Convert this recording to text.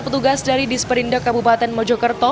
petugas dari disperindak kabupaten mojokerto